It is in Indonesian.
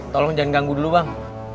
tolong jangan ganggu dulu bang